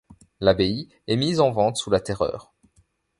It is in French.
L'abbaye est mise en vente sous la Terreur.